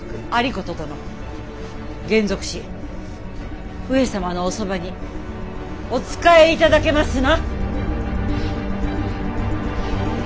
還俗し上様のおそばにお仕え頂けますな。